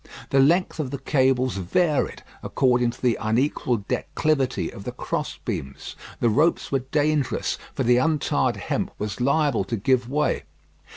The length of the cables varied, according to the unequal declivity of the cross beams. The ropes were dangerous, for the untarred hemp was liable to give way.